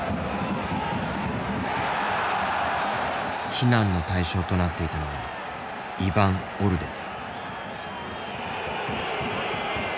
非難の対象となっていたのはイヴァン・オルデツ。